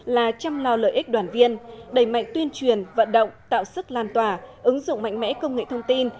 là chăm lo lợi ích đoàn viên đẩy mạnh tuyên truyền vận động tạo sức lan tỏa ứng dụng mạnh mẽ công nghệ thông tin